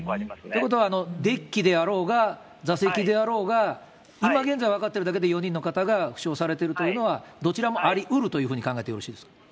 ということは、デッキであろうが、座席であろうが、今現在分かってるだけで、４人の方が負傷されてるというのは、どちらもありうるというふうに考えてよろしいですか。